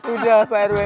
udah pak rw